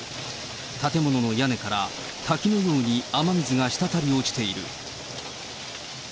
建物の屋根から滝のように雨水がしたたり落ちている。